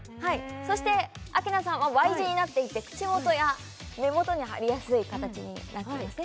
そしてアッキーナさんはＹ字になっていて口元や目元に貼りやすい形になっていますね